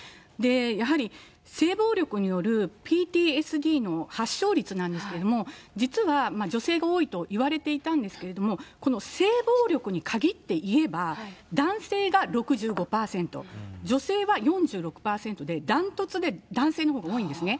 やはり性暴力によるＰＴＳＤの発症率なんですけれども、実は、女性が多いといわれていたんですけれども、この性暴力に限っていえば、男性が６５％、女性は４６％で、ダントツで男性のほうが多いんですね。